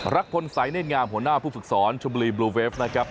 รักษ์ผลใสเน่นงามหัวหน้าผู้ฝึกศรชนบุรีบลูเวฟนะครับ